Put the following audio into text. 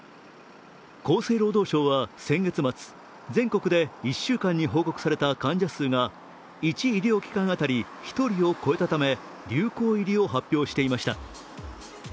厚生労働省は先月末、全国で１週間に報告された患者数が１医療機関当たり１人を超えたため流行入りを発表していました。